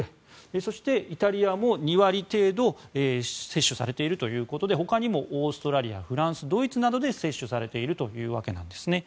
そして、イタリアも２割程度接種されているということでほかにもオーストラリアフランス、ドイツなどで接種されているというわけです。